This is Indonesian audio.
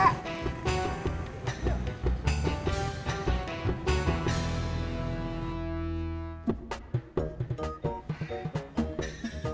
makasih ya pak